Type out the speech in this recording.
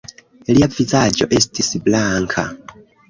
Lia vizaĝo estis blanka.